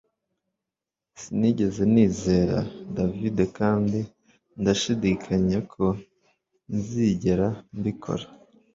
Sinigeze nizera David kandi ndashidikanya ko nzigera mbikora